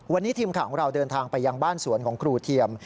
วันนี้ทีมข่าวของเราเดินทางไปยังบ้านสวนของครูเทียม